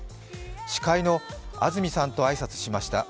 司会の安住さんと挨拶しました。